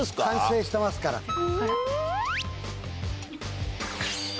反省してますから。